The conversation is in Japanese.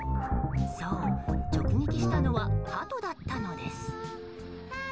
そう、直撃したのはハトだったのです。